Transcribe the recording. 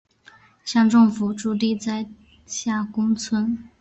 乡政府驻地在下宫村。